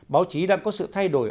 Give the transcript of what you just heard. báo chí đang có sự thay đổi